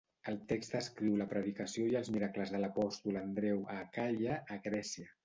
El text descriu la predicació i els miracles de l'apòstol Andreu a Acaia, a Grècia.